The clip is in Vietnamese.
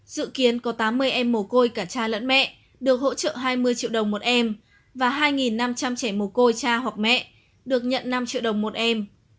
dự kiến có tám mươi em mồ côi cả cha lẫn mẹ được hỗ trợ hai mươi triệu đồng một em và hai năm trăm linh trẻ mồ côi cha hoặc mẹ được nhận năm triệu đồng một em